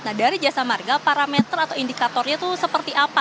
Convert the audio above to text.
nah dari jasa marga parameter atau indikatornya itu seperti apa